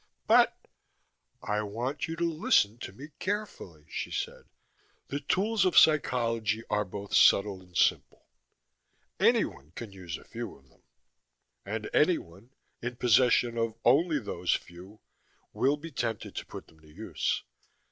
"But " "I want you to listen to me carefully," she said. "The tools of psychology are both subtle and simple. Anyone can use a few of them. And anyone, in possession of only those few, will be tempted to put them to use.